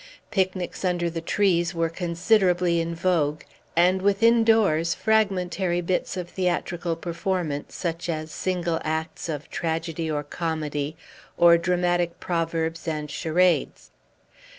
Picnics under the trees were considerably in vogue; and, within doors, fragmentary bits of theatrical performance, such as single acts of tragedy or comedy, or dramatic proverbs and charades.